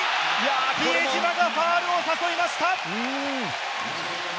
比江島がファウルを誘いました。